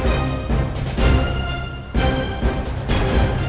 aku gimana ya ganti bajunya